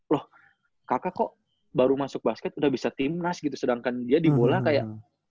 loh kakak kok baru masuk basket udah bisa timnas gitu sedangkan dia di bola kayak